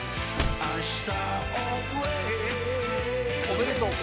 おめでとう。